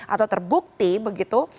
atau terbukti begitu